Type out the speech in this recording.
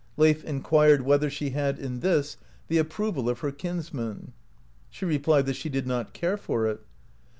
Leif enquired whether she had in this the approval of her kinsmen. She replied that she did not care for it.